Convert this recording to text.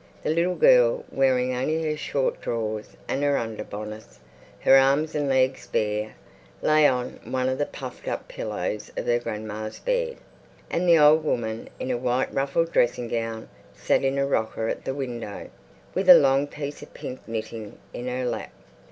The little girl, wearing only her short drawers and her under bodice, her arms and legs bare, lay on one of the puffed up pillows of her grandma's bed, and the old woman, in a white ruffled dressing gown, sat in a rocker at the window, with a long piece of pink knitting in her lap.